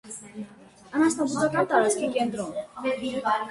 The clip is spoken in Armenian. Անասնաբուծական տարածքի կենտրոն։